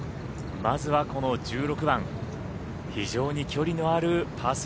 まずはこの１６番非常に距離のあるパー３。